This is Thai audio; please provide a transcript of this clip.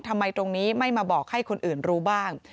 ทำไมตรงนี้ไม่มาบอกให้คนอื่นรู้บ้าง